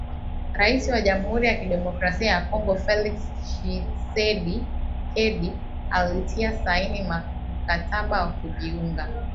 Raisi wa Jamhuri ya Kidemokrasia ya Kongo Felix Tchisekedi alitia saini mkataba wa kujiunga